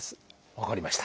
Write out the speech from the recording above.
分かりました。